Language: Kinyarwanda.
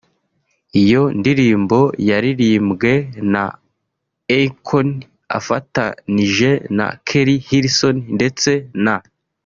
Iyo ndirimbo yaririmbwe na Akon afatanije na Keri Hilson ndetse na